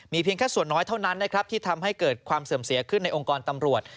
เพียงแค่ส่วนน้อยเท่านั้นนะครับที่ทำให้เกิดความเสื่อมเสียขึ้นในองค์กรตำรวจ